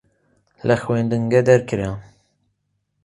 لە خوێندنگە دەرکرام.